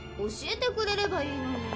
教えてくれればいいのに。